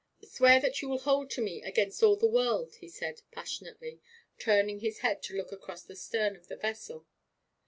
'Swear that you will hold to me against all the world,' he said, passionately, turning his head to look across the stern of the vessel.